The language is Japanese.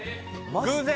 偶然？